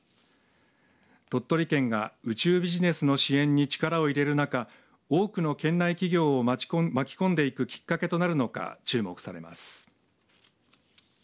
鳥取県が宇宙ビジネスの支援に力を入れる中多くの県内企業を巻き込んでいくきっかけとなるのか注目されます。